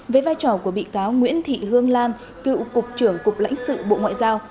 với vai trò của bị cáo nguyễn thị hương lan cựu cục trưởng cục lãnh sự bộ ngoại giao